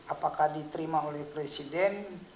apakah diterima oleh presiden